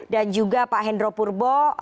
dan juga pak hendro purbo